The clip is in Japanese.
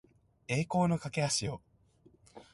栄光の架橋を